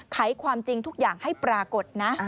ไขความจริงทุกอย่างให้ปรากฏนะ